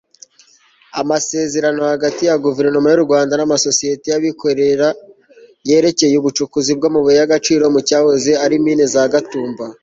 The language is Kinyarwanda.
amasezerano hagati ya guverinoma y'u rwanda n'amasosiyete y'abikorera yerekeye ubucukuzi bw'amabuye y'agaciro mu cyahoze ari mine za gatumba